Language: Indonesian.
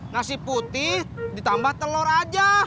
nasi putih ditambah telur aja